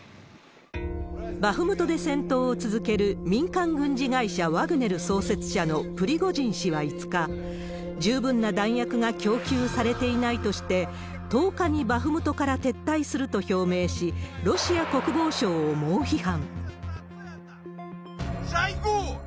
バフムトで戦闘を続ける民間軍事会社、ワグネル創設者のプリゴジン氏は５日、十分な弾薬が供給されていないとして、１０日にバフムトから撤退すると表明し、ロシア国防省を猛批判。